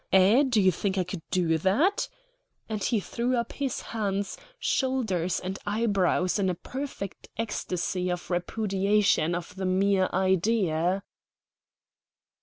Eh, do you think I could do that?" and he threw up his hands, shoulders, and eyebrows in a perfect ecstasy of repudiation of the mere idea.